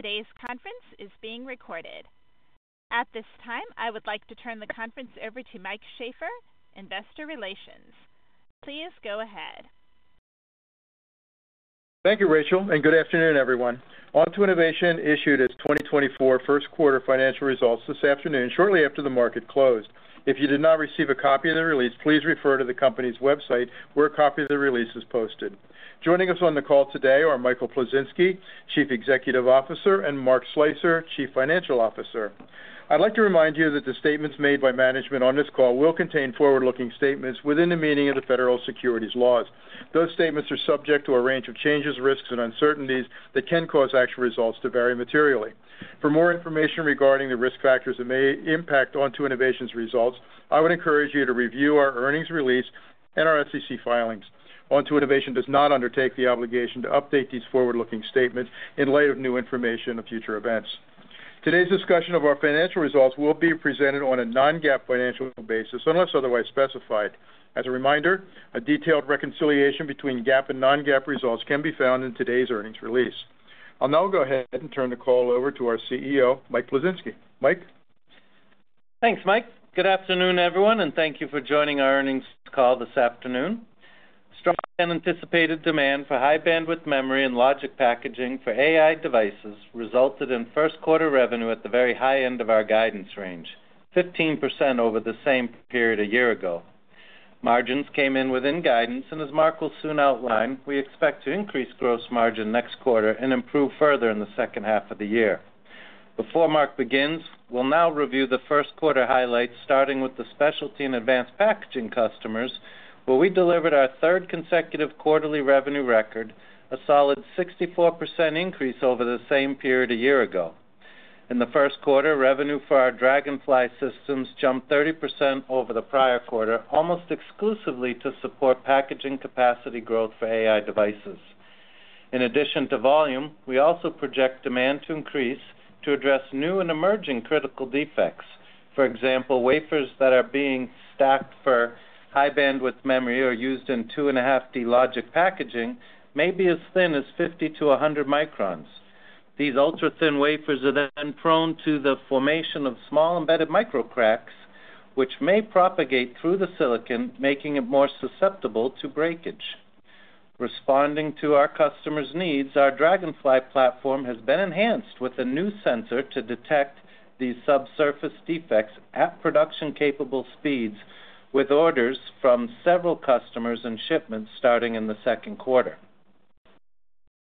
Today's conference is being recorded. At this time, I would like to turn the conference over to Mike Sheaffer, Investor Relations. Please go ahead. Thank you, Rachel, and good afternoon, everyone. Onto Innovation issued its 2024 first quarter financial results this afternoon, shortly after the market closed. If you did not receive a copy of the release, please refer to the company's website, where a copy of the release is posted. Joining us on the call today are Michael Plisinski, Chief Executive Officer, and Mark Slicer, Chief Financial Officer. I'd like to remind you that the statements made by management on this call will contain forward-looking statements within the meaning of the Federal Securities laws. Those statements are subject to a range of changes, risks, and uncertainties that can cause actual results to vary materially. For more information regarding the risk factors that may impact Onto Innovation's results, I would encourage you to review our earnings release and our SEC filings. Onto Innovation does not undertake the obligation to update these forward-looking statements in light of new information or future events. Today's discussion of our financial results will be presented on a non-GAAP financial basis, unless otherwise specified. As a reminder, a detailed reconciliation between GAAP and non-GAAP results can be found in today's earnings release. I'll now go ahead and turn the call over to our CEO, Mike Plisinski. Mike? Thanks, Mike. Good afternoon, everyone, and thank you for joining our earnings call this afternoon. Strong and anticipated demand for high-bandwidth memory and logic packaging for AI devices resulted in first quarter revenue at the very high end of our guidance range, 15% over the same period a year ago. Margins came in within guidance, and as Mark will soon outline, we expect to increase gross margin next quarter and improve further in the second half of the year. Before Mark begins, we'll now review the first quarter highlights, starting with the specialty and advanced packaging customers, where we delivered our third consecutive quarterly revenue record, a solid 64% increase over the same period a year ago. In the first quarter, revenue for our Dragonfly systems jumped 30% over the prior quarter, almost exclusively to support packaging capacity growth for AI devices. In addition to volume, we also project demand to increase to address new and emerging critical defects. For example, wafers that are being stacked for high-bandwidth memory or used in 2.5D logic packaging may be as thin as 50-100 microns. These ultra-thin wafers are then prone to the formation of small embedded microcracks, which may propagate through the silicon, making it more susceptible to breakage. Responding to our customers' needs, our Dragonfly platform has been enhanced with a new sensor to detect these subsurface defects at production-capable speeds, with orders from several customers and shipments starting in the second quarter.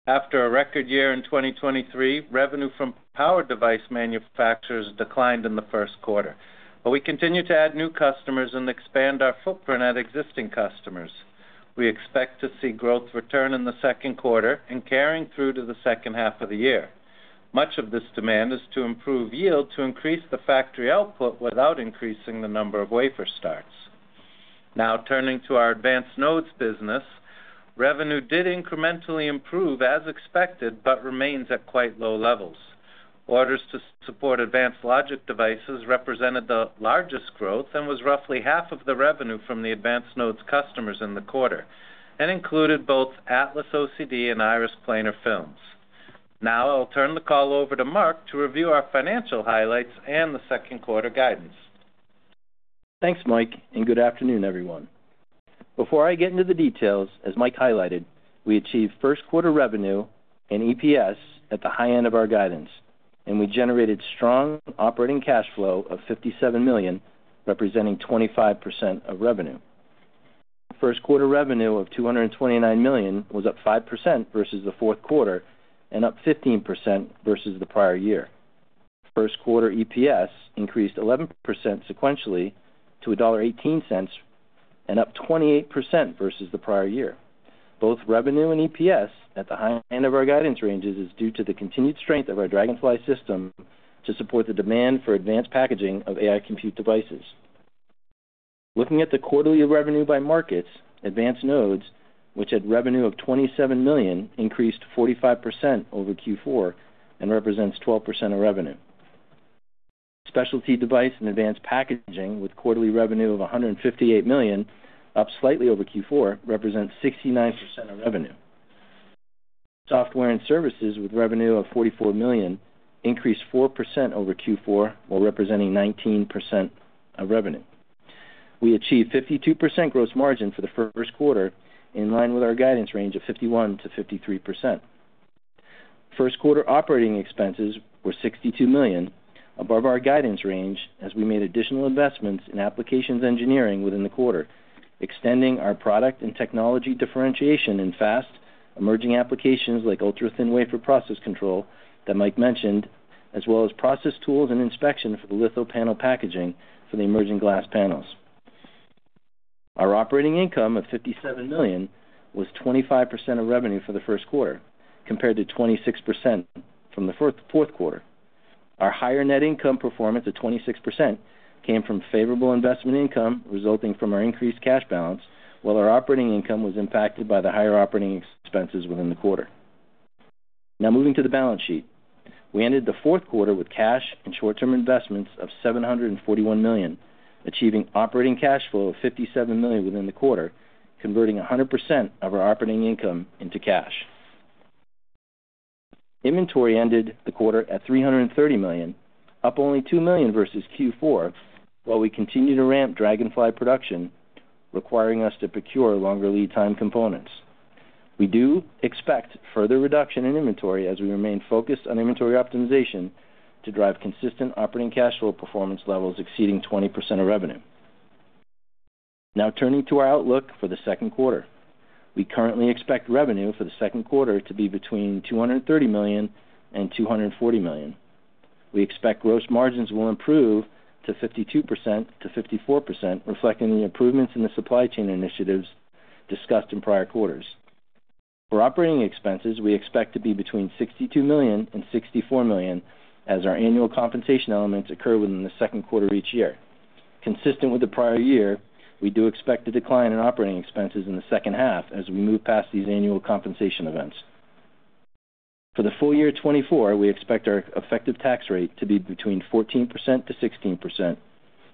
After a record year in 2023, revenue from power device manufacturers declined in the first quarter, but we continue to add new customers and expand our footprint at existing customers. We expect to see growth return in the second quarter and carrying through to the second half of the year. Much of this demand is to improve yield, to increase the factory output without increasing the number of wafer starts. Now, turning to our advanced nodes business. Revenue did incrementally improve as expected, but remains at quite low levels. Orders to support advanced logic devices represented the largest growth and was roughly half of the revenue from the advanced nodes customers in the quarter and included both Atlas OCD and Iris planar films. Now, I'll turn the call over to Mark to review our financial highlights and the second quarter guidance. Thanks, Mike, and good afternoon, everyone. Before I get into the details, as Mike highlighted, we achieved first quarter revenue and EPS at the high end of our guidance, and we generated strong operating cash flow of $57 million, representing 25% of revenue. First quarter revenue of $229 million was up 5% versus the fourth quarter and up 15% versus the prior year. First quarter EPS increased 11% sequentially to $1.18, and up 28% versus the prior year. Both revenue and EPS at the high end of our guidance ranges is due to the continued strength of our Dragonfly system to support the demand for advanced packaging of AI compute devices. Looking at the quarterly revenue by markets, advanced nodes, which had revenue of $27 million, increased 45% over Q4 and represents 12% of revenue. Specialty device and advanced packaging, with quarterly revenue of $158 million, up slightly over Q4, represents 69% of revenue. Software and services, with revenue of $44 million, increased 4% over Q4, while representing 19% of revenue. We achieved 52% gross margin for the first quarter, in line with our guidance range of 51%-53%. First quarter operating expenses were $62 million, above our guidance range, as we made additional investments in applications engineering within the quarter, extending our product and technology differentiation in fast-emerging applications like ultra-thin wafer process control that Mike mentioned, as well as process tools and inspection for the litho-panel packaging for the emerging glass panels. Our operating income of $57 million was 25% of revenue for the first quarter, compared to 26% from the fourth quarter. Our higher net income performance of 26% came from favorable investment income resulting from our increased cash balance, while our operating income was impacted by the higher operating expenses within the quarter. Now moving to the balance sheet. We ended the fourth quarter with cash and short-term investments of $741 million, achieving operating cash flow of $57 million within the quarter, converting 100% of our operating income into cash. Inventory ended the quarter at $330 million, up only $2 million versus Q4, while we continue to ramp Dragonfly production, requiring us to procure longer lead time components. We do expect further reduction in inventory as we remain focused on inventory optimization to drive consistent operating cash flow performance levels exceeding 20% of revenue. Now turning to our outlook for the second quarter. We currently expect revenue for the second quarter to be between $230 million and $240 million. We expect gross margins will improve to 52%-54%, reflecting the improvements in the supply chain initiatives discussed in prior quarters. For operating expenses, we expect to be between $62 million and $64 million as our annual compensation elements occur within the second quarter of each year. Consistent with the prior year, we do expect a decline in operating expenses in the second half as we move past these annual compensation events. For the full year 2024, we expect our effective tax rate to be between 14%-16%,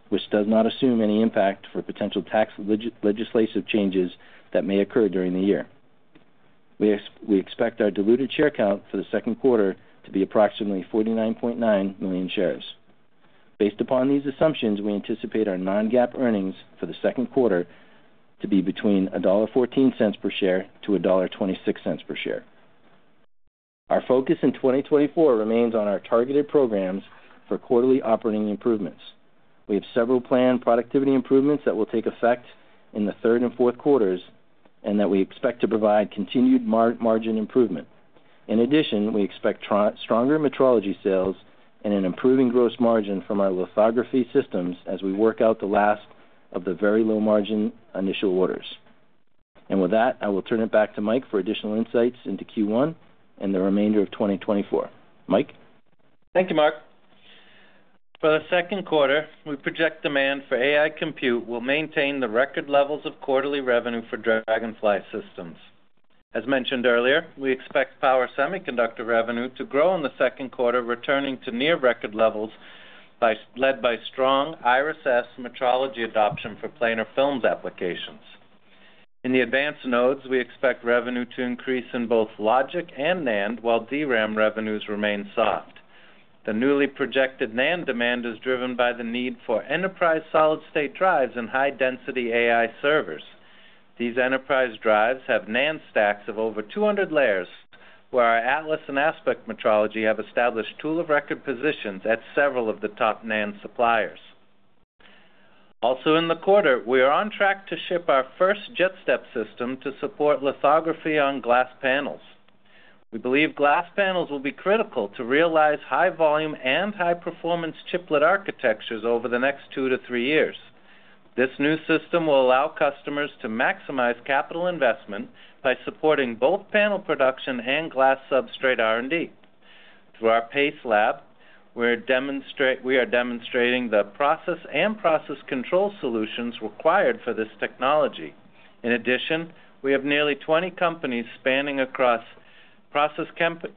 which does not assume any impact for potential tax legislative changes that may occur during the year. We expect our diluted share count for the second quarter to be approximately 49.9 million shares. Based upon these assumptions, we anticipate our non-GAAP earnings for the second quarter to be between $1.14-$1.26 per share. Our focus in 2024 remains on our targeted programs for quarterly operating improvements. We have several planned productivity improvements that will take effect in the third and fourth quarters, and that we expect to provide continued margin improvement. In addition, we expect stronger metrology sales and an improving gross margin from our lithography systems as we work out the last of the very low-margin initial orders. And with that, I will turn it back to Mike for additional insights into Q1 and the remainder of 2024. Mike? Thank you, Mark. For the second quarter, we project demand for AI compute will maintain the record levels of quarterly revenue for Dragonfly Systems. As mentioned earlier, we expect power semiconductor revenue to grow in the second quarter, returning to near record levels, led by strong Iris S metrology adoption for planar films applications. In the advanced nodes, we expect revenue to increase in both logic and NAND, while DRAM revenues remain soft. The newly projected NAND demand is driven by the need for enterprise solid-state drives and high-density AI servers. These enterprise drives have NAND stacks of over 200 layers, where our Atlas and Aspect metrology have established tool of record positions at several of the top NAND suppliers. Also in the quarter, we are on track to ship our first JetStep system to support lithography on glass panels. We believe glass panels will be critical to realize high volume and high-performance chiplet architectures over the next two to three years. This new system will allow customers to maximize capital investment by supporting both panel production and glass substrate R&D. Through our PACE Lab, we are demonstrating the process and process control solutions required for this technology. In addition, we have nearly 20 companies spanning across process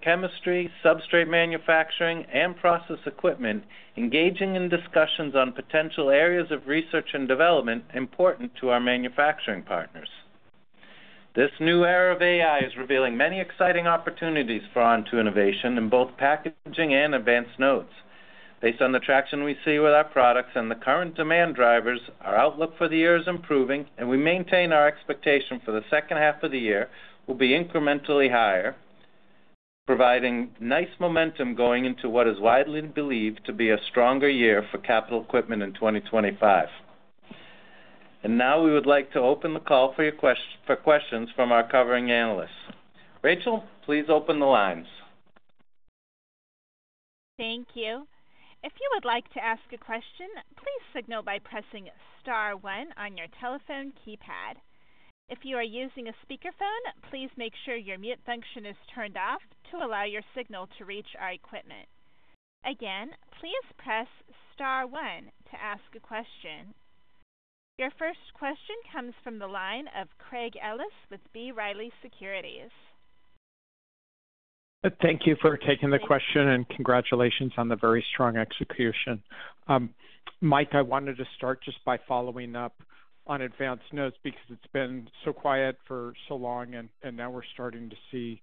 chemistry, substrate manufacturing, and process equipment, engaging in discussions on potential areas of research and development important to our manufacturing partners. This new era of AI is revealing many exciting opportunities for Onto Innovation in both packaging and advanced nodes. Based on the traction we see with our products and the current demand drivers, our outlook for the year is improving, and we maintain our expectation for the second half of the year will be incrementally higher, providing nice momentum going into what is widely believed to be a stronger year for capital equipment in 2025. Now we would like to open the call for your questions from our covering analysts. Rachel, please open the lines. Thank you. If you would like to ask a question, please signal by pressing star one on your telephone keypad. If you are using a speakerphone, please make sure your mute function is turned off to allow your signal to reach our equipment. Again, please press star one to ask a question. Your first question comes from the line of Craig Ellis with B. Riley Securities. Thank you for taking the question, and congratulations on the very strong execution. Mike, I wanted to start just by following up on advanced nodes, because it's been so quiet for so long, and now we're starting to see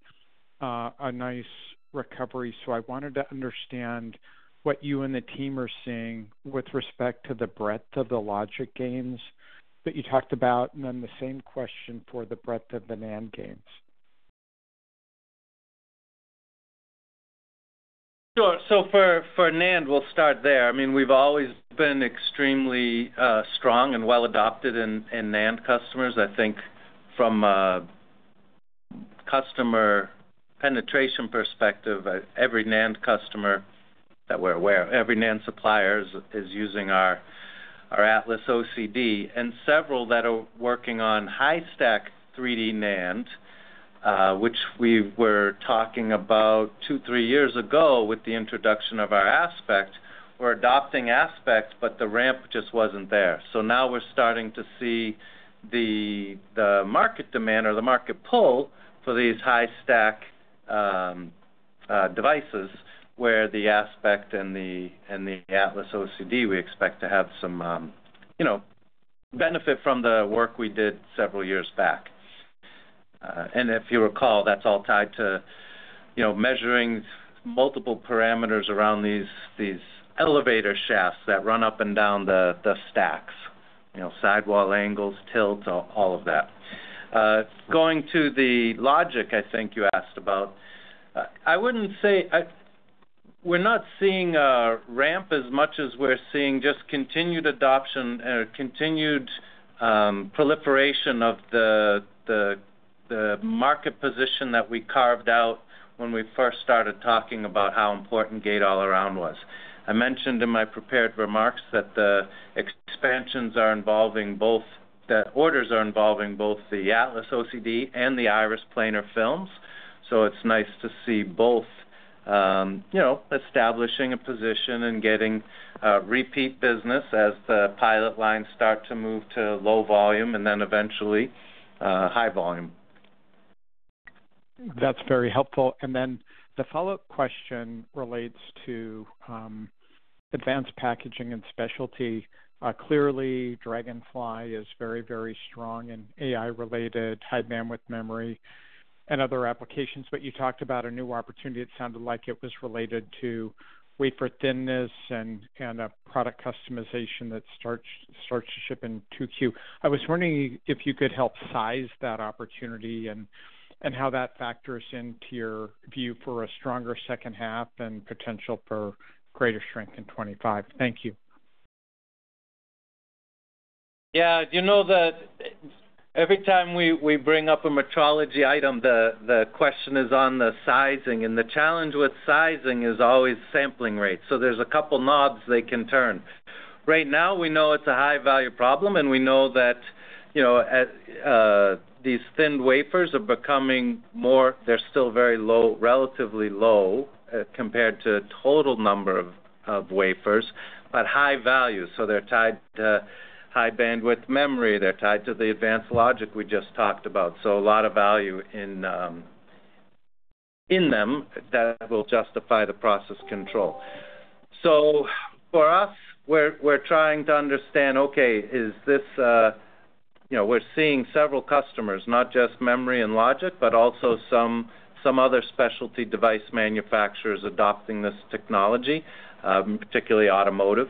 a nice recovery. So I wanted to understand what you and the team are seeing with respect to the breadth of the logic gains that you talked about, and then the same question for the breadth of the NAND gains. Sure. So for NAND, we'll start there. I mean, we've always been extremely strong and well-adopted in NAND customers. I think from a customer penetration perspective, every NAND customer that we're aware of, every NAND supplier is using our Atlas OCD, and several that are working on high-stack 3D NAND, which we were talking about two, three years ago with the introduction of our Aspect. We're adopting Aspect, but the ramp just wasn't there. So now we're starting to see the market demand or the market pull for these high-stack devices, where the Aspect and the Atlas OCD, we expect to have some, you know, benefit from the work we did several years back. And if you recall, that's all tied to, you know, measuring multiple parameters around these elevator shafts that run up and down the stacks. You know, sidewall angles, tilts, all of that. Going to the logic, I think you asked about, I wouldn't say we're not seeing a ramp as much as we're seeing just continued adoption and continued proliferation of the market position that we carved out when we first started talking about how important gate all around was. I mentioned in my prepared remarks that the expansions are involving both the Atlas OCD and the Iris planar films. So it's nice to see both, you know, establishing a position and getting repeat business as the pilot lines start to move to low volume and then eventually high volume. That's very helpful. Then the follow-up question relates to advanced packaging and specialty. Clearly, Dragonfly is very, very strong in AI-related high-bandwidth memory and other applications. But you talked about a new opportunity. It sounded like it was related to wafer thinness and a product customization that starts to ship in 2Q. I was wondering if you could help size that opportunity and how that factors into your view for a stronger second half and potential for greater strength in 25. Thank you. Yeah, you know that every time we bring up a metrology item, the question is on the sizing, and the challenge with sizing is always sampling rate. So there's a couple knobs they can turn. Right now, we know it's a high-value problem, and we know that, you know, these thin wafers are becoming more... They're still very low, relatively low, compared to total number of wafers, but high value. So they're tied to high-bandwidth memory. They're tied to the advanced logic we just talked about. So a lot of value in them that will justify the process control. So for us, we're trying to understand, okay, is this, you know, we're seeing several customers, not just memory and logic, but also some other specialty device manufacturers adopting this technology, particularly automotive.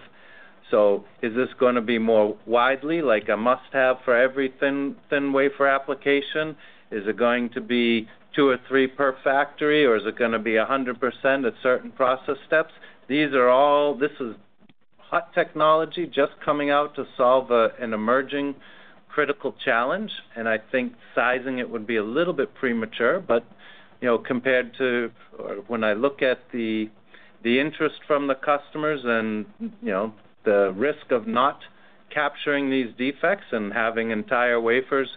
So is this gonna be more widely, like a must-have for every thin wafer application? Is it going to be two or three per factory, or is it gonna be 100% at certain process steps? This is hot technology just coming out to solve an emerging critical challenge, and I think sizing it would be a little bit premature. But, you know, compared to when I look at the interest from the customers and, you know, the risk of not capturing these defects and having entire wafers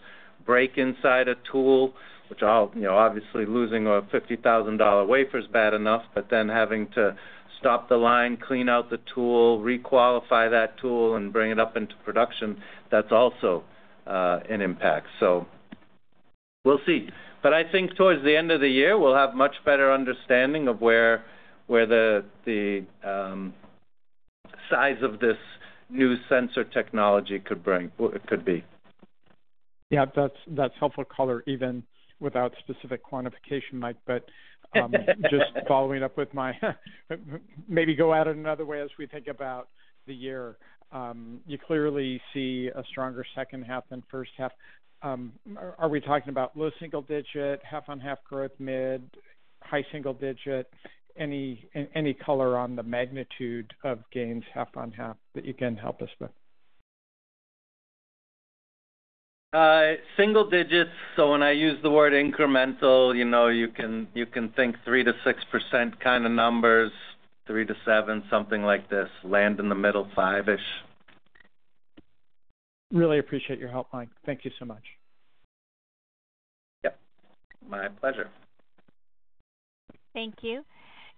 break inside a tool, which, you know, obviously, losing a $50,000 wafer is bad enough, but then having to stop the line, clean out the tool, re-qualify that tool, and bring it up into production, that's also an impact. So we'll see. But I think towards the end of the year, we'll have much better understanding of where the size of this new sensor technology could be. Yeah, that's helpful color, even without specific quantification, Mike. But just following up, maybe go at it another way as we think about the year. You clearly see a stronger second half than first half. Are we talking about low single digit, half-on-half growth, mid, high single digit? Any color on the magnitude of gains, half on half, that you can help us with? Single digits. So when I use the word incremental, you know, you can, you can think 3%-6% kind of numbers, three to seven, something like this. Land in the middle, five-ish. Really appreciate your help, Mike. Thank you so much. Yep, my pleasure. Thank you.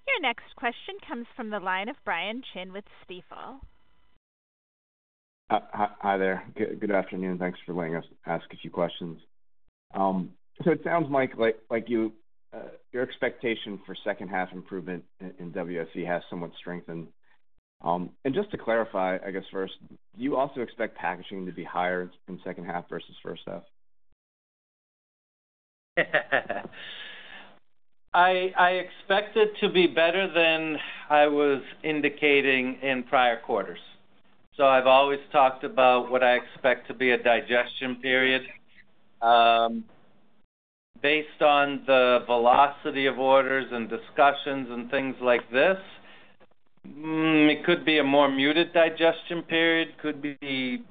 Your next question comes from the line of Brian Chin with Stifel. Hi, hi there. Good afternoon. Thanks for letting us ask a few questions. So it sounds, Mike, like you, your expectation for second half improvement in WFE has somewhat strengthened. And just to clarify, I guess first, do you also expect packaging to be higher in second half versus first half? I expect it to be better than I was indicating in prior quarters. So I've always talked about what I expect to be a digestion period. Based on the velocity of orders and discussions and things like this, it could be a more muted digestion period, could be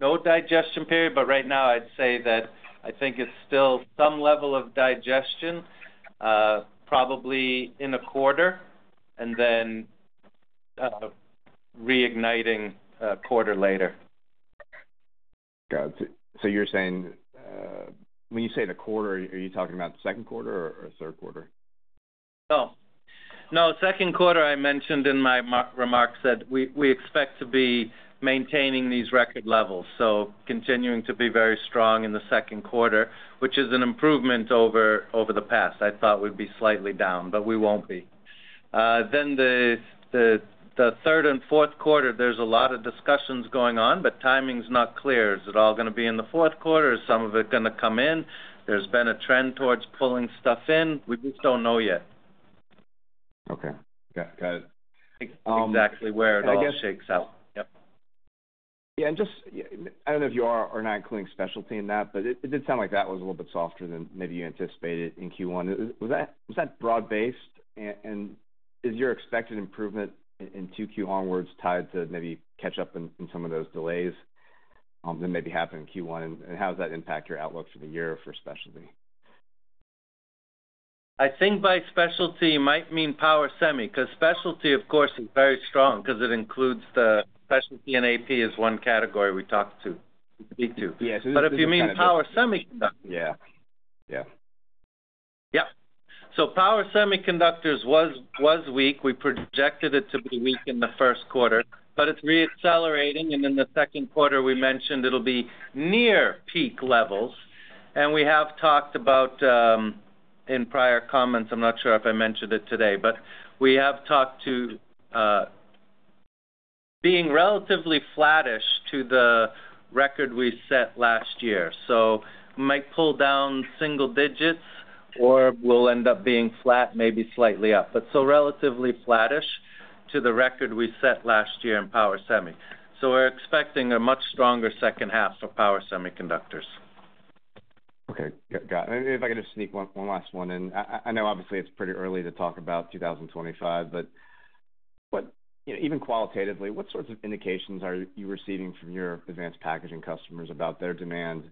no digestion period, but right now I'd say that I think it's still some level of digestion, probably in a quarter, and then, reigniting a quarter later. Got it. So you're saying, when you say in a quarter, are you talking about the second quarter or, or third quarter?... No, second quarter, I mentioned in my remarks that we expect to be maintaining these record levels, so continuing to be very strong in the second quarter, which is an improvement over the past. I thought we'd be slightly down, but we won't be. Then the third and fourth quarter, there's a lot of discussions going on, but timing's not clear. Is it all gonna be in the fourth quarter, or is some of it gonna come in? There's been a trend towards pulling stuff in. We just don't know yet. Okay. Yeah, got it. Exactly where it all shakes out. Yep. Yeah, and just, I don't know if you are or not including specialty in that, but it, it did sound like that was a little bit softer than maybe you anticipated in Q1. Was that, was that broad-based? And, and is your expected improvement in 2Q onwards tied to maybe catch up in, in some of those delays, that maybe happened in Q1, and how does that impact your outlook for the year for specialty? I think by specialty, you might mean power semi, 'cause specialty, of course, is very strong because it includes the specialty and AP is one category we talked to, to speak to. Yes. But if you mean power semiconductor. Yeah. Yeah. Yeah. So power semiconductors was weak. We projected it to be weak in the first quarter, but it's re-accelerating, and in the second quarter, we mentioned it'll be near peak levels. And we have talked about in prior comments, I'm not sure if I mentioned it today, but we have talked to being relatively flattish to the record we set last year. So might pull down single digits, or we'll end up being flat, maybe slightly up, but still relatively flattish to the record we set last year in power semi. So we're expecting a much stronger second half for power semiconductors. Okay, got it. If I could just sneak one, one last one in. I, I know obviously it's pretty early to talk about 2025, but, but, you know, even qualitatively, what sorts of indications are you receiving from your advanced packaging customers about their demand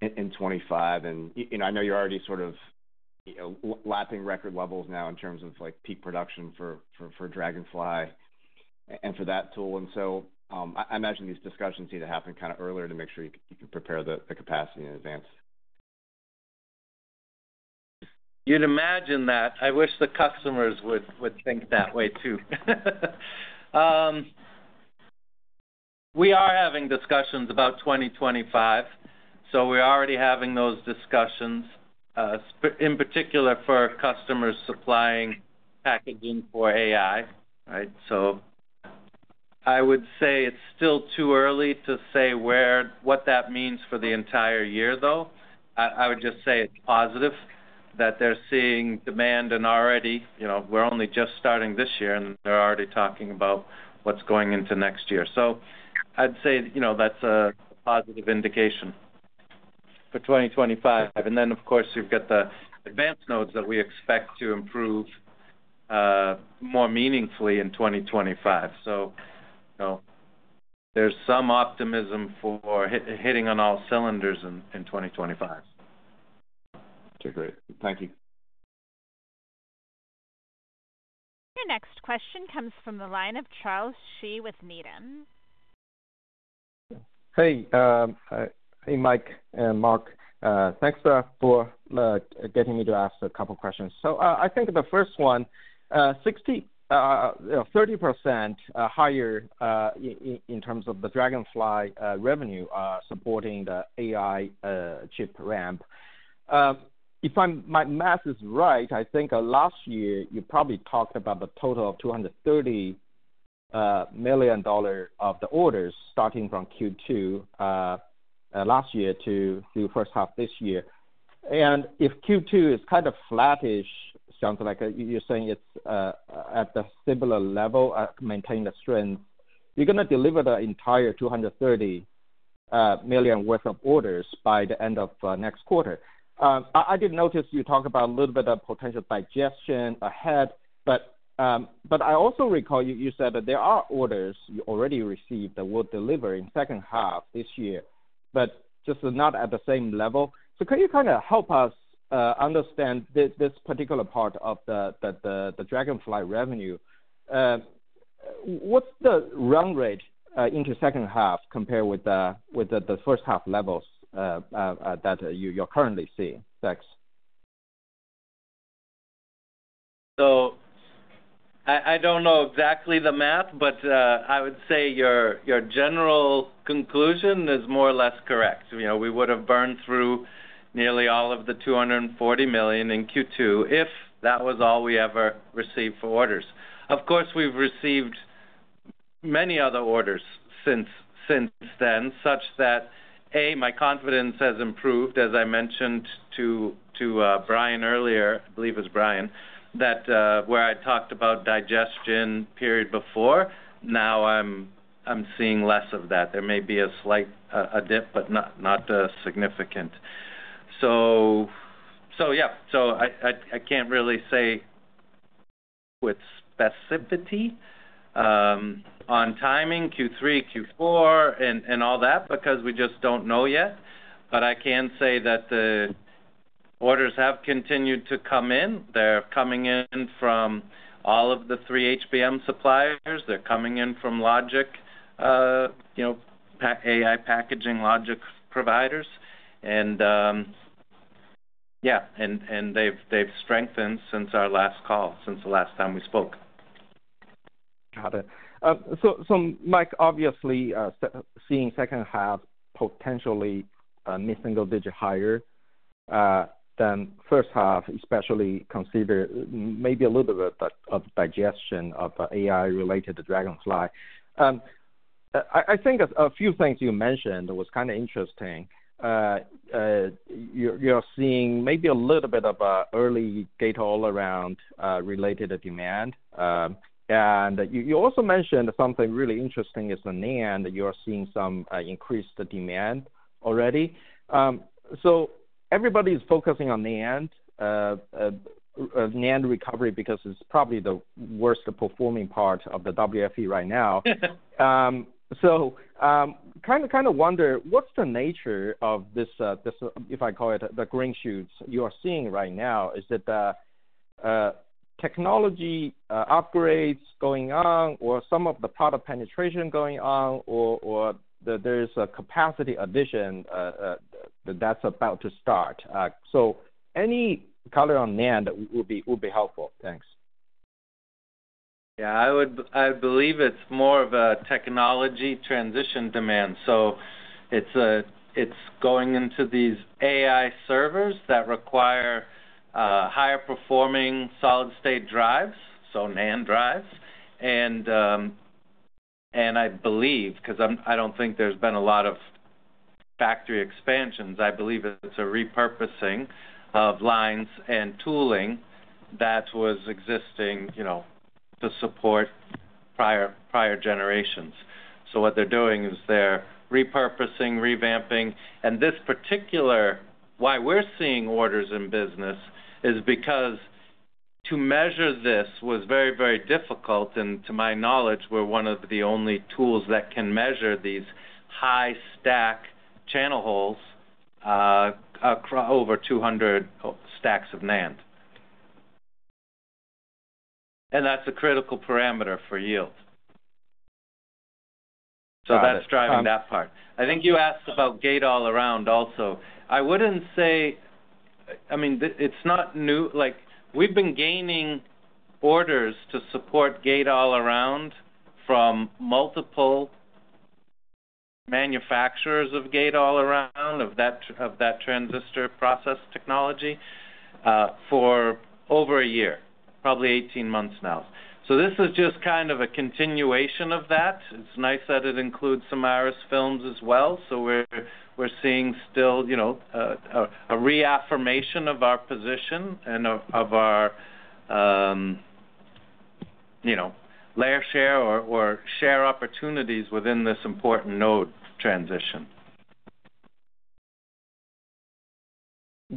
in, in 2025? And, you, you know, I know you're already sort of, you know, lapping record levels now in terms of, like, peak production for, for, for Dragonfly and for that tool. And so, I, I imagine these discussions need to happen kind of earlier to make sure you, you can prepare the, the capacity in advance. You'd imagine that. I wish the customers would think that way, too. We are having discussions about 2025, so we're already having those discussions, in particular for customers supplying packaging for AI, right? So I would say it's still too early to say what that means for the entire year, though. I would just say it's positive that they're seeing demand and already, you know, we're only just starting this year, and they're already talking about what's going into next year. So I'd say, you know, that's a positive indication for 2025. And then, of course, you've got the advanced nodes that we expect to improve more meaningfully in 2025. So, you know, there's some optimism for hitting on all cylinders in 2025. Okay, great. Thank you. Your next question comes from the line of Charles Shi with Needham. Hey, hi, Mike and Mark. Thanks for getting me to ask a couple questions. So, I think the first one, 60%, 30% higher in terms of the Dragonfly revenue supporting the AI chip ramp. If my math is right, I think last year, you probably talked about a total of $230 million of orders starting from Q2 last year to the first half this year. And if Q2 is kind of flattish, sounds like you're saying it's at the similar level maintaining the strength, you're gonna deliver the entire $230 million worth of orders by the end of next quarter. I did notice you talked about a little bit of potential digestion ahead, but I also recall you said that there are orders you already received that will deliver in second half this year, but just not at the same level. So could you kind of help us understand this particular part of the Dragonfly revenue? What's the run rate into second half compared with the first half levels that you're currently seeing? Thanks. So I don't know exactly the math, but I would say your general conclusion is more or less correct. You know, we would've burned through nearly all of the $240 million in Q2 if that was all we ever received for orders. Of course, we've received many other orders since then, such that, A, my confidence has improved, as I mentioned to Brian earlier, I believe it was Brian, that where I talked about digestion period before. Now I'm seeing less of that. There may be a slight dip, but not significant. So yeah. So I can't really say with specificity on timing, Q3, Q4, and all that, because we just don't know yet. But I can say that the orders have continued to come in. They're coming in from all of the three HBM suppliers. They're coming in from logic, you know, AI packaging logic providers, and, yeah, and they've strengthened since our last call, since the last time we spoke. Got it. So, so Mike, obviously, seeing second half potentially mid-single digit higher than first half, especially consider maybe a little bit of digestion of the AI related to Dragonfly. I think a few things you mentioned was kind of interesting. You're seeing maybe a little bit of early data all around related to demand. And you also mentioned something really interesting is the NAND, you're seeing some increased demand already. So everybody's focusing on NAND, NAND recovery, because it's probably the worst performing part of the WFE right now. So, kind of wonder, what's the nature of this, if I call it, the green shoots you are seeing right now? Is it the technology upgrades going on, or some of the product penetration going on, or there's a capacity addition that's about to start? So any color on NAND would be helpful. Thanks. Yeah, I would—I believe it's more of a technology transition demand. So it's a—it's going into these AI servers that require higher performing solid-state drives, so NAND drives. And, and I believe, because I'm, I don't think there's been a lot of factory expansions, I believe it's a repurposing of lines and tooling that was existing, you know, to support prior, prior generations. So what they're doing is they're repurposing, revamping. And this particular, why we're seeing orders in business, is because to measure this was very, very difficult, and to my knowledge, we're one of the only tools that can measure these high stack channel holes over 200 stacks of NAND. And that's a critical parameter for yield. Got it. So that's driving that part. I think you asked about Gate-All-Around also. I wouldn't say... I mean, it's not new. Like, we've been gaining orders to support Gate-All-Around from multiple manufacturers of Gate-All-Around, of that transistor process technology, for over a year, probably 18 months now. So this is just kind of a continuation of that. It's nice that it includes some Iris films as well, so we're seeing still, you know, a reaffirmation of our position and of our layer share or share opportunities within this important node transition.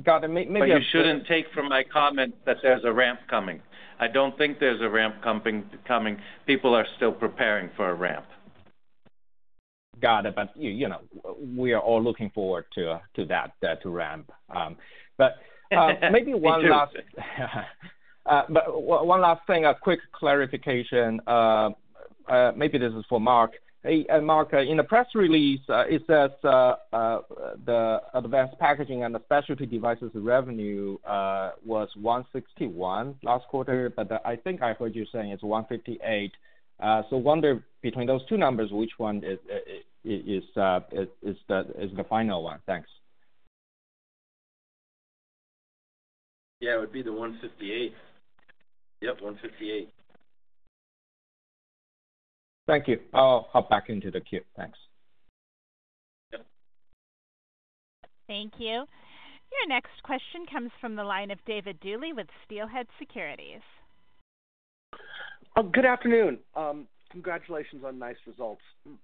Got it. But you shouldn't take from my comment that there's a ramp coming. I don't think there's a ramp coming, coming. People are still preparing for a ramp. Got it. But you know, we are all looking forward to that ramp. But one last thing, a quick clarification. Maybe this is for Mark. Hey, Mark, in the press release, it says the advanced packaging and the specialty devices revenue was $161 last quarter, but I think I heard you saying it's $158. So wonder between those two numbers, which one is the final one? Thanks. Yeah, it would be the 158. Yep, 158. Thank you. I'll hop back into the queue. Thanks. Yep. Thank you. Your next question comes from the line of David Duley with Steelhead Securities. Good afternoon. Congratulations on nice results.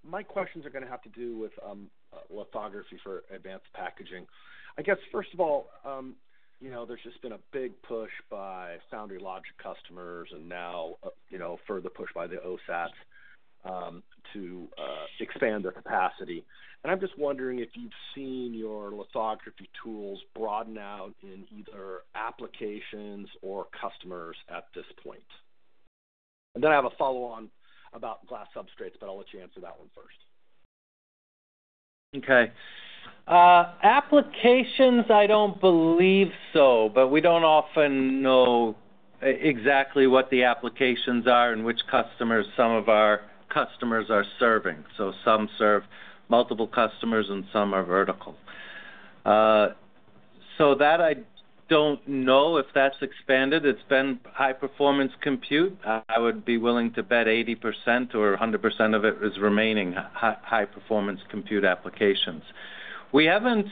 My questions are gonna have to do with lithography for advanced packaging. I guess, first of all, you know, there's just been a big push by foundry logic customers and now, you know, further push by the OSAT to expand their capacity. And I'm just wondering if you've seen your lithography tools broaden out in either applications or customers at this point? And then I have a follow-on about glass substrates, but I'll let you answer that one first. Okay. Applications, I don't believe so, but we don't often know exactly what the applications are and which customers some of our customers are serving. So some serve multiple customers, and some are vertical. So that I don't know if that's expanded. It's been high-performance compute. I would be willing to bet 80% or 100% of it is remaining high-performance compute applications. We haven't,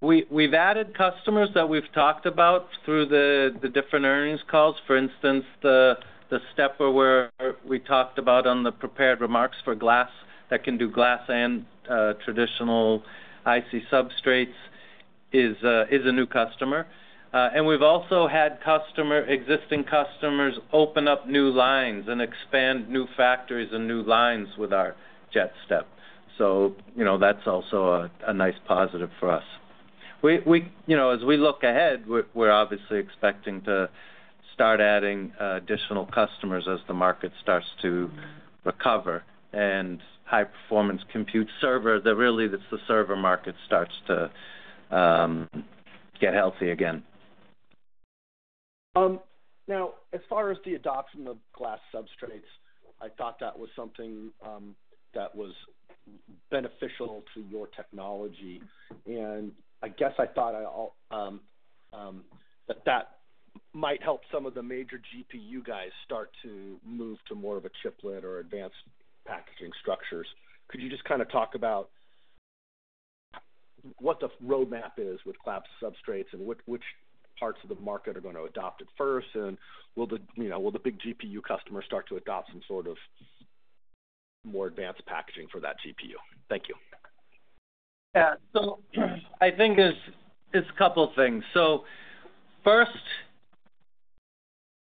we've added customers that we've talked about through the different earnings calls. For instance, the stepper where we talked about on the prepared remarks for glass, that can do glass and traditional IC substrates, is a new customer. And we've also had existing customers open up new lines and expand new factories and new lines with our JetStep. So you know, that's also a nice positive for us. We, you know, as we look ahead, we're obviously expecting to start adding additional customers as the market starts to recover. And high-performance compute server, really, that's the server market, starts to get healthy again. Now, as far as the adoption of glass substrates, I thought that was something that was beneficial to your technology. And I guess I thought that that might help some of the major GPU guys start to move to more of a chiplet or advanced packaging structures. Could you just kind of talk about what the roadmap is with glass substrates, and which parts of the market are going to adopt it first, and will the, you know, will the big GPU customers start to adopt some sort of more advanced packaging for that GPU? Thank you. Yeah. So I think it's a couple things. So first,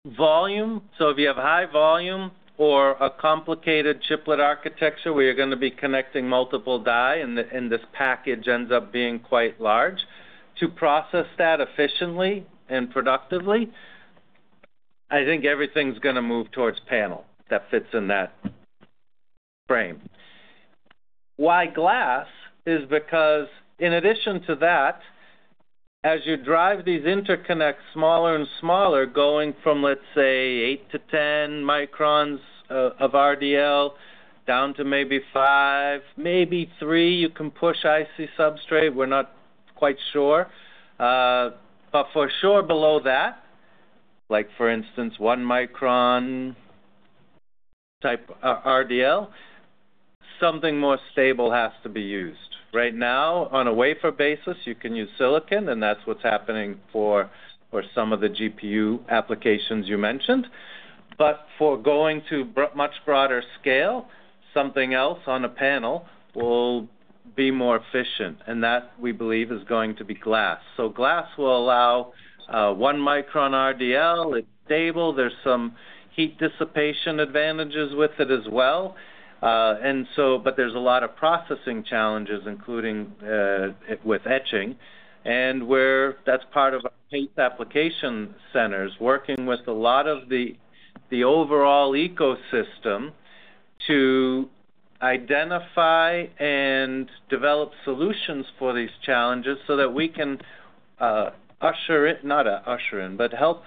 volume. So if you have high volume or a complicated chiplet architecture, where you're gonna be connecting multiple die, and this package ends up being quite large, to process that efficiently and productively, I think everything's gonna move towards panel that fits in that frame. Why glass? Is because in addition to that, as you drive these interconnects smaller and smaller, going from, let's say, eight to 10 microns of RDL, down to maybe five, maybe three, you can push IC substrate, we're not quite sure. But for sure below that, like for instance, one micron type RDL, something more stable has to be used. Right now, on a wafer basis, you can use silicon, and that's what's happening for some of the GPU applications you mentioned. But for going to much broader scale, something else on a panel will be more efficient, and that, we believe, is going to be glass. So glass will allow 1 micron RDL. It's stable, there's some heat dissipation advantages with it as well. And so but there's a lot of processing challenges, including with etching, and where that's part of our application centers, working with a lot of the overall ecosystem to identify and develop solutions for these challenges so that we can usher in... Not usher in, but help,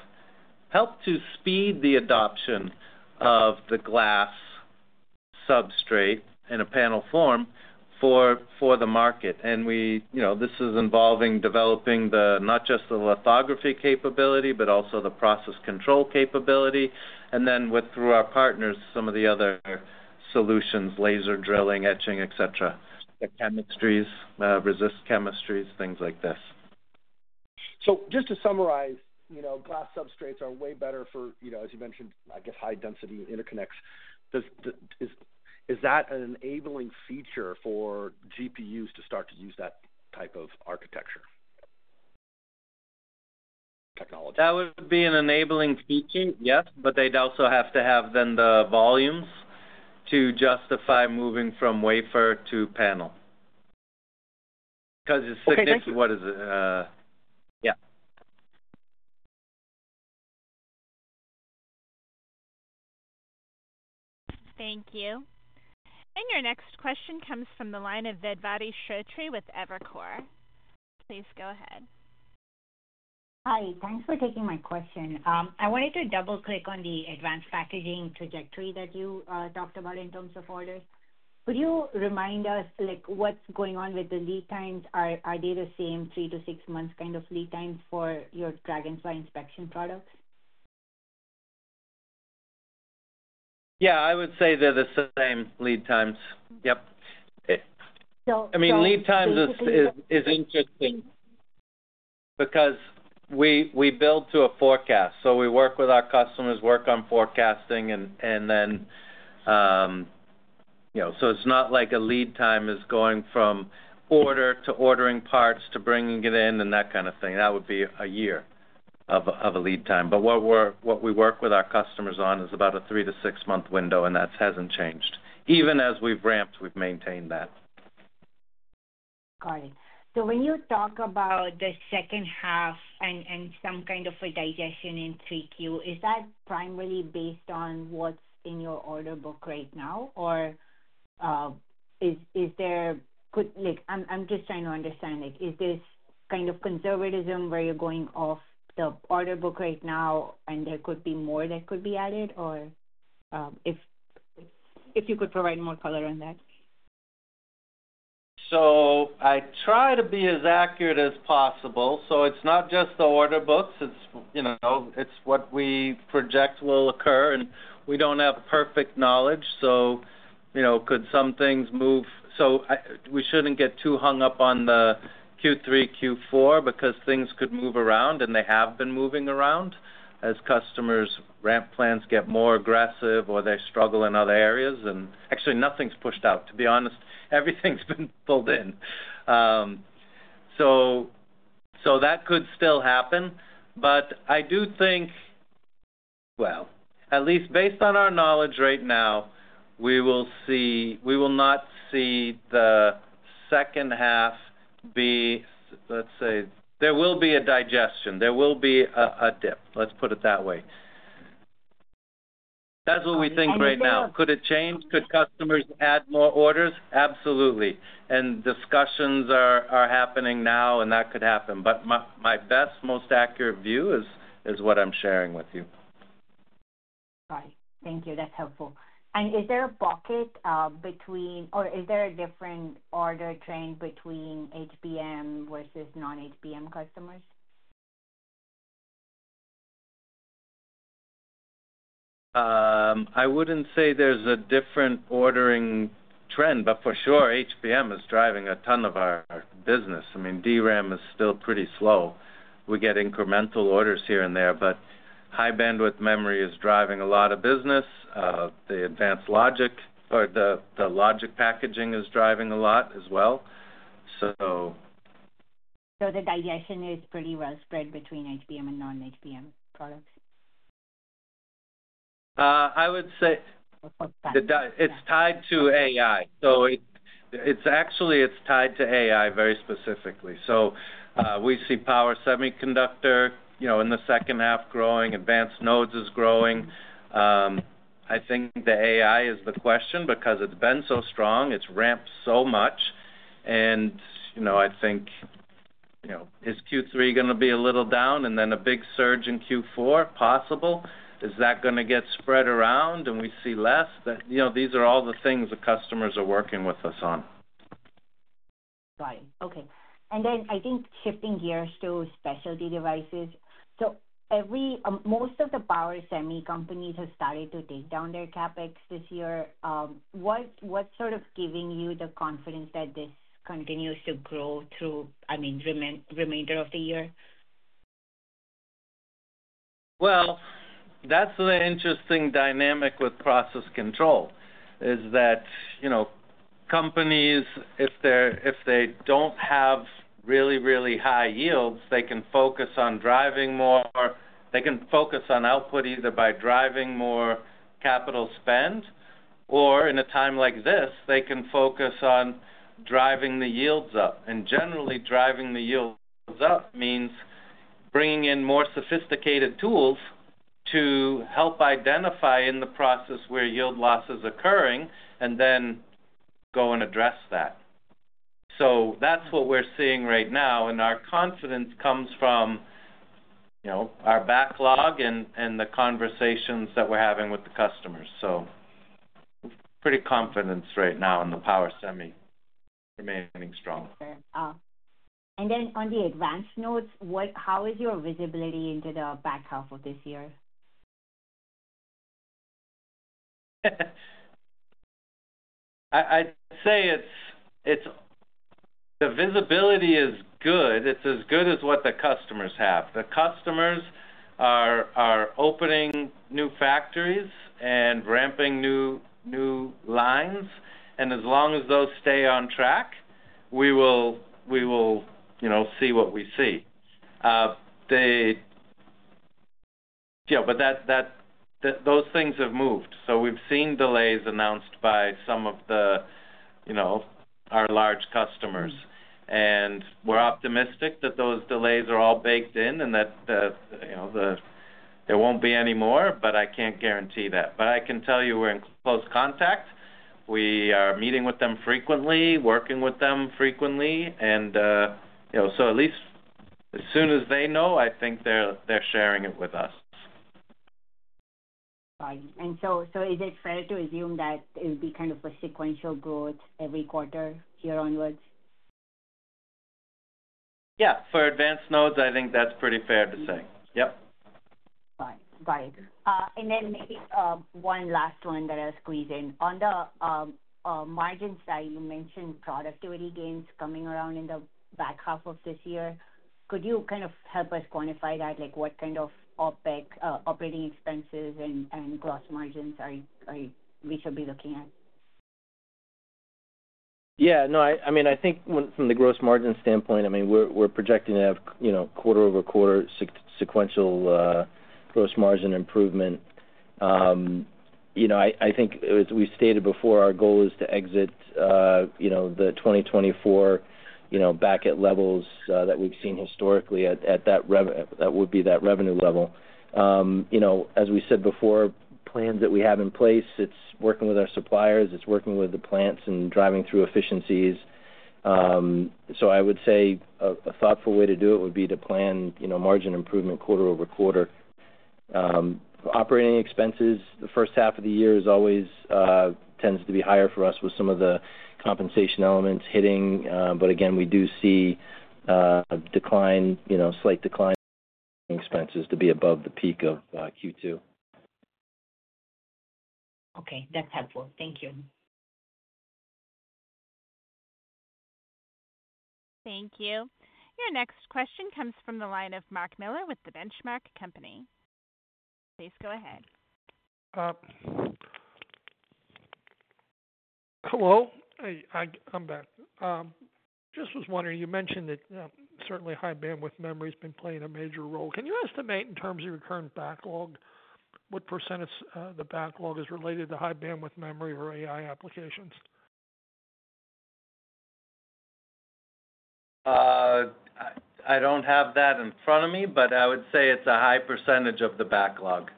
help to speed the adoption of the glass substrate in a panel form for the market. You know, this is involving developing the, not just the lithography capability, but also the process control capability, and then through our partners, some of the other solutions, laser drilling, etching, et cetera, et cetera, the chemistries, resist chemistries, things like this. Just to summarize, you know, glass substrates are way better for, you know, as you mentioned, I guess, high-density interconnects. Does... is that an enabling feature for GPUs to start to use that type of architecture technology? That would be an enabling feature, yes, but they'd also have to have then the volumes to justify moving from wafer to panel. Because it's- Okay, thank you. What is it? Yeah. Thank you. And your next question comes from the line of Vedvati Shrotre with Evercore. Please go ahead. Hi, thanks for taking my question. I wanted to double-click on the advanced packaging trajectory that you talked about in terms of orders. Could you remind us, like, what's going on with the lead times? Are, are they the same three to six months kind of lead times for your Dragonfly inspection products? Yeah, I would say they're the same lead times. Yep. So- I mean, lead times is interesting because we build to a forecast. So we work with our customers, work on forecasting, and then, you know, so it's not like a lead time is going from order to ordering parts to bringing it in and that kind of thing. That would be a year of a lead time. But what we're- what we work with our customers on is about a three- to six-month window, and that hasn't changed. Even as we've ramped, we've maintained that. Got it. So when you talk about the second half and some kind of a digestion in 3Q, is that primarily based on what's in your order book right now? Or, is there, like, I'm just trying to understand, like, is this kind of conservatism where you're going off the order book right now and there could be more that could be added? Or, if you could provide more color on that? So I try to be as accurate as possible, so it's not just the order books, it's, you know, it's what we project will occur, and we don't have perfect knowledge, so, you know, could some things move... So we shouldn't get too hung up on the Q3, Q4, because things could move around, and they have been moving around as customers' ramp plans get more aggressive or they struggle in other areas. And actually, nothing's pushed out. To be honest, everything's been pulled in. So that could still happen, but I do think... Well, at least based on our knowledge right now, we will see, we will not see the second half be, let's say, there will be a digestion. There will be a dip. Let's put it that way. That's what we think right now. Could it change? Could customers add more orders? Absolutely. Discussions are happening now, and that could happen, but my best, most accurate view is what I'm sharing with you. Got it. Thank you. That's helpful. And is there a bucket or is there a different order trend between HBM versus non-HBM customers? I wouldn't say there's a different ordering trend, but for sure, HBM is driving a ton of our business. I mean, DRAM is still pretty slow. We get incremental orders here and there, but high-bandwidth memory is driving a lot of business. The advanced logic or the logic packaging is driving a lot as well, so- The adoption is pretty well spread between HBM and non-HBM products? I would say- Okay. It's tied to AI. So it, it's actually, it's tied to AI very specifically. So, we see power semiconductor, you know, in the second half growing, advanced nodes is growing. I think the AI is the question because it's been so strong, it's ramped so much, and, you know, I think, you know, is Q3 gonna be a little down and then a big surge in Q4 possible? Is that gonna get spread around and we see less? But, you know, these are all the things the customers are working with us on. Got it. Okay. And then I think shifting gears to specialty devices. So most of the power semi companies have started to take down their CapEx this year. What's sort of giving you the confidence that this continues to grow through, I mean, remainder of the year? Well, that's an interesting dynamic with process control, is that, you know, companies, if they're, if they don't have really, really high yields, they can focus on driving more. They can focus on output, either by driving more capital spend, or in a time like this, they can focus on driving the yields up. And generally, driving the yields up means bringing in more sophisticated tools to help identify in the process where yield loss is occurring and then go and address that. So that's what we're seeing right now, and our confidence comes from, you know, our backlog and, and the conversations that we're having with the customers. So pretty confident right now in the power semi remaining strong. Okay. And then on the advanced nodes, what-- how is your visibility into the back half of this year? I'd say it's... The visibility is good. It's as good as what the customers have. The customers are opening new factories and ramping new lines, and as long as those stay on track, we will, you know, see what we see. Yeah, but those things have moved, so we've seen delays announced by some of the, you know, our large customers. And we're optimistic that those delays are all baked in and that the, you know, there won't be any more, but I can't guarantee that. But I can tell you we're in close contact. We are meeting with them frequently, working with them frequently, and, you know, so at least as soon as they know, I think they're sharing it with us. Got it. And so, so is it fair to assume that it would be kind of a sequential growth every quarter here onwards? Yeah. For advanced nodes, I think that's pretty fair to say. Yep. Got it. Got it. And then maybe one last one that I'll squeeze in. On the margin side, you mentioned productivity gains coming around in the back half of this year. Could you kind of help us quantify that? Like, what kind of OpEx operating expenses and gross margins are we should be looking at? Yeah. No, I mean, I think when, from the gross margin standpoint, I mean, we're projecting to have, you know, quarter-over-quarter sequential gross margin improvement. You know, I think, as we've stated before, our goal is to exit, you know, the 2024, you know, back at levels that we've seen historically at that revenue level. You know, as we said before, plans that we have in place, it's working with our suppliers, it's working with the plants and driving through efficiencies. So I would say a thoughtful way to do it would be to plan, you know, margin improvement quarter-over-quarter. Operating expenses, the first half of the year is always tends to be higher for us with some of the compensation elements hitting. But again, we do see a decline, you know, slight decline expenses to be above the peak of Q2. Okay. That's helpful. Thank you. Thank you. Your next question comes from the line of Mark Miller with The Benchmark Company. Please go ahead.... Hello. Hey, I'm back. Just was wondering, you mentioned that certainly high bandwidth memory's been playing a major role. Can you estimate, in terms of your current backlog, what percentage of the backlog is related to high bandwidth memory or AI applications? I don't have that in front of me, but I would say it's a high percentage of the backlog.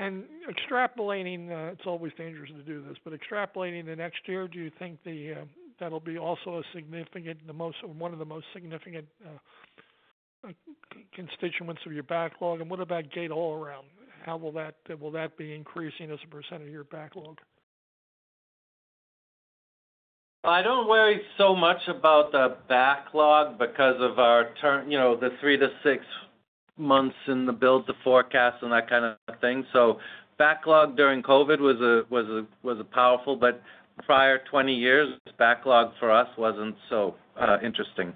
Extrapolating, it's always dangerous to do this, but extrapolating the next year, do you think that'll be also a significant, the most, one of the most significant constituents of your backlog? And what about gate-all-around? How will that? Will that be increasing as a percent of your backlog? I don't worry so much about the backlog because of our turn, you know, the three to six months in the build, the forecast and that kind of thing. So backlog during COVID was a powerful, but prior 20 years, backlog for us wasn't so, interesting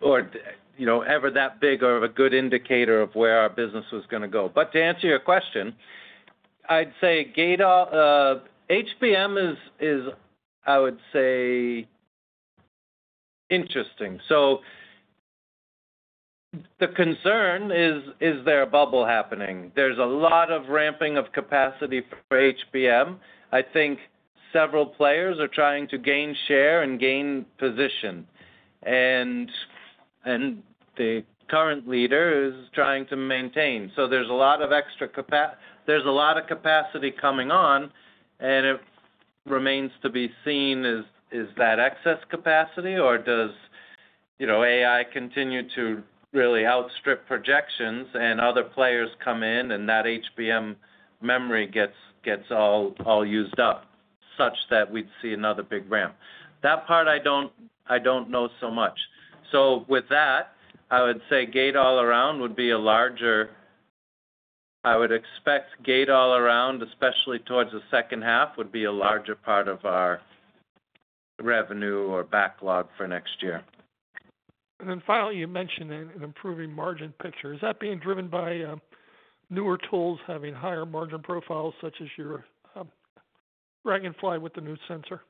or, you know, ever that big or a good indicator of where our business was gonna go. But to answer your question, I'd say gate-all-around HBM is interesting. So the concern is: Is there a bubble happening? There's a lot of ramping of capacity for HBM. I think several players are trying to gain share and gain position, and the current leader is trying to maintain. So there's a lot of extra capacity coming on, and it remains to be seen, is that excess capacity, or does, you know, AI continue to really outstrip projections and other players come in, and that HBM memory gets all used up, such that we'd see another big ramp? That part, I don't know so much. So with that, I would say Gate-all-around would be a larger... I would expect Gate-all-around, especially towards the second half, would be a larger part of our revenue or backlog for next year. And then finally, you mentioned an improving margin picture. Is that being driven by newer tools having higher margin profiles, such as your Dragonfly with the new sensor?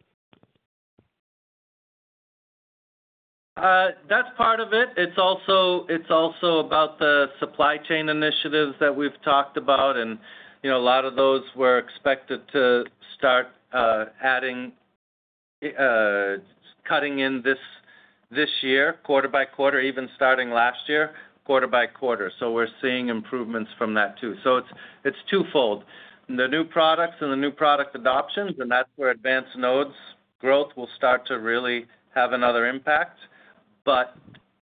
That's part of it. It's also, it's also about the supply chain initiatives that we've talked about. And, you know, a lot of those were expected to start, adding, cutting in this, this year, quarter by quarter, even starting last year, quarter by quarter. So we're seeing improvements from that too. So it's, it's twofold. The new products and the new product adoptions, and that's where advanced nodes growth will start to really have another impact, but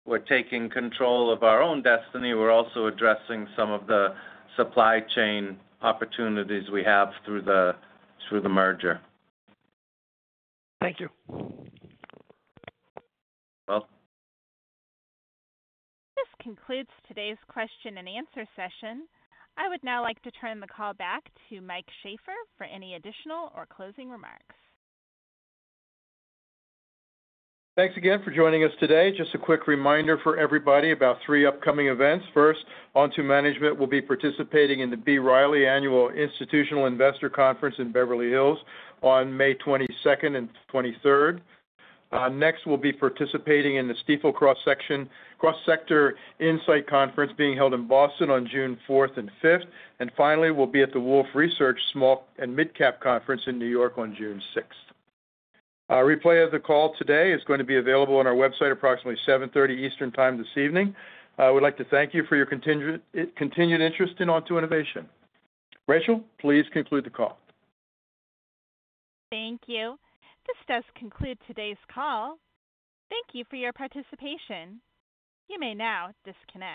we're taking control of our own destiny. We're also addressing some of the supply chain opportunities we have through the, through the merger. Thank you. Welcome. This concludes today's question and answer session. I would now like to turn the call back to Mike Sheaffer for any additional or closing remarks. Thanks again for joining us today. Just a quick reminder for everybody about three upcoming events. First, Onto Management will be participating in the B. Riley Annual Institutional Investor Conference in Beverly Hills on May 22nd and 23rd. Next, we'll be participating in the Stifel Cross Sector Insight Conference being held in Boston on June 4th and 5th. And finally, we'll be at the Wolfe Research Small and Midcap Conference in New York on June 6th. A replay of the call today is going to be available on our website at approximately 7:30 P.M. Eastern Time this evening. I would like to thank you for your continued interest in Onto Innovation. Rachel, please conclude the call. Thank you. This does conclude today's call. Thank you for your participation. You may now disconnect.